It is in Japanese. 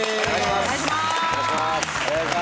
お願いしまーす。